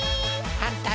はんたい！